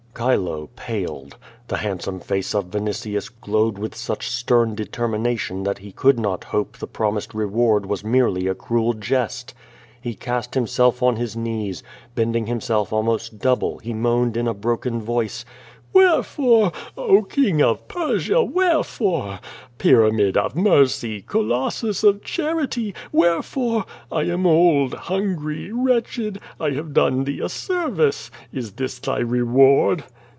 Chilo paled. The handsome face of Vinitius glowed with such stern determination that he could not hope the pro mised reward was merely a cruel jest. He cast himself on his knees. Bending himself almost double he moaned in a broken voice: "AMierefore? Oh, King of Persia, wherefore? Pyramid of mercy! Colossus of charity I Wherefore? I am old^ QUO VADIf^, 255 hungry, WTetchcd. I have done thee a service. Is this thy ' reward